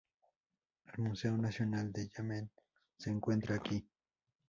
El Museo nacional de Yemen se encuentra aquí.